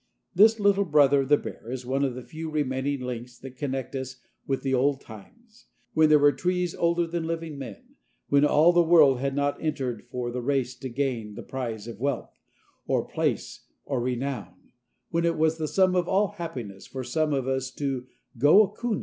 This little brother of the bear is one of the few remaining links that connect us with the old times, when there were trees older than living men, when all the world had not entered for the race to gain the prize of wealth, or place, or renown; when it was the sum of all happiness for some of us to "go a coonin'."